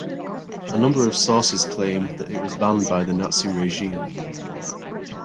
A number of sources claim that it was banned by the Nazi regime.